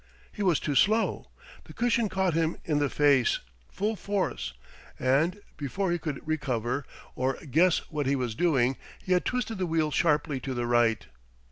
He was too slow: the cushion caught him in the face, full force, and before he could recover or guess what he was doing, he had twisted the wheel sharply to the right.